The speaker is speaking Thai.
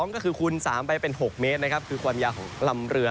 ก็คือคูณ๓ไปเป็น๖เมตรนะครับคือความยาวของลำเรือ